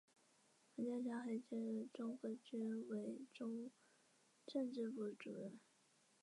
通过中央电视台综艺频道现场直播。